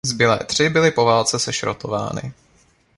Zbylé tři byly po válce sešrotovány.